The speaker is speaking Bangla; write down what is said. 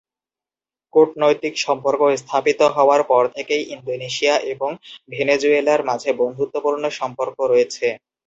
কূটনৈতিক সম্পর্ক স্থাপিত হওয়ার পর থেকেই ইন্দোনেশিয়া এবং ভেনেজুয়েলার মাঝে বন্ধুত্বপূর্ণ সম্পর্ক রয়েছে।